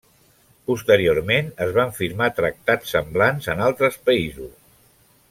Posteriorment, es van firmar tractats semblants en altres països.